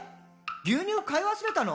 牛乳買い忘れたの？」